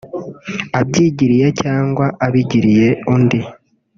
abyigiriye cyangwa abigiriye undi